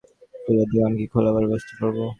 ফুলের দোকান কি খোলাবার ব্যবস্থা করব?